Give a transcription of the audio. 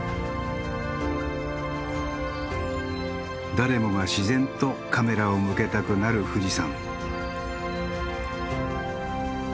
誰もが自然とカメラを向けたくなる富士山。